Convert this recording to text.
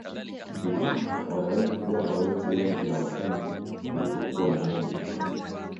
Vijana wanaweza kuwa na wenzi wengi wa mapenzi kuliko kuwa na mwenzi mmoja